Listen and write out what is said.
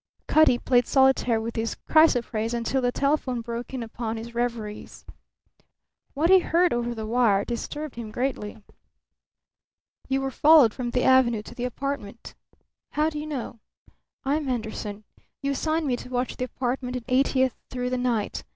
Cutty played solitaire with his chrysoprase until the telephone broke in upon his reveries. What he heard over the wire disturbed him greatly. "You were followed from the Avenue to the apartment." "How do you know?" "I am Henderson. You assigned me to watch the apartment in Eightieth through the night.